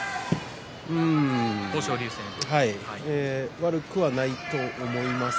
悪くはないと思います。